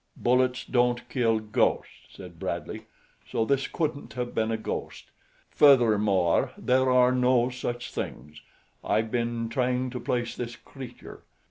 "Bullets don't kill ghosts," said Bradley, "so this couldn't have been a ghost. Furthermore, there are no such things. I've been trying to place this creature.